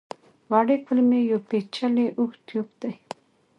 وړې کولمې یو پېچلی اوږد ټیوب دی.